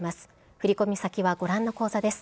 振込先はご覧の口座です。